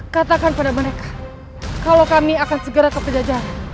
katakan pada mereka kalau kami akan segera ke pejajaran